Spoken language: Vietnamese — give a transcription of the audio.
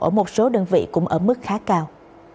ở một số đơn vị cũng ở mức khá cao